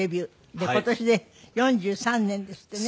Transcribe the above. で今年で４３年ですってね。